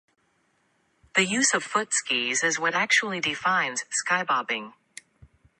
The use of foot skis is what actually defines "skibobbing".